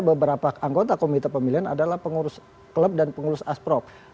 beberapa anggota komite pemilihan adalah pengurus klub dan pengurus asprop